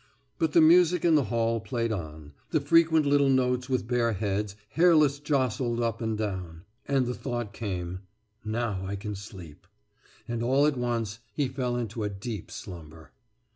But the music in the hall played on, the frequent little notes with bare heads hairless jostled up and down, and the thought came: »Now I can sleep.« And all at once he fell into a deep slumber.